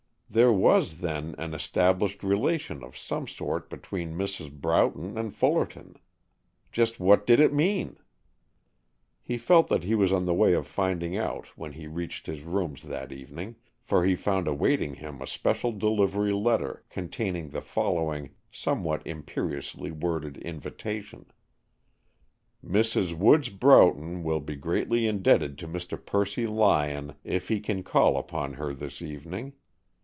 There was, then, an established relation of some sort between Mrs. Broughton and Fullerton. Just what did it mean? He felt that he was on the way to finding out when he reached his rooms that evening, for he found awaiting him a special delivery letter containing the following somewhat imperiously worded invitation: "Mrs. Woods Broughton will be greatly indebted to Mr. Percy Lyon if he can call upon her this evening.